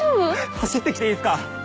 走って来ていいっすか？